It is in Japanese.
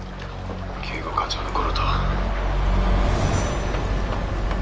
警護課長の頃と。